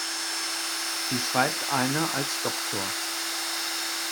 Sie schreibt eine als „Dr.